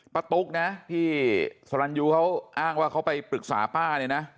ตุ๊กนะที่สรรยูเขาอ้างว่าเขาไปปรึกษาป้าเนี่ยนะ